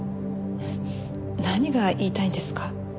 何が言いたいんですか？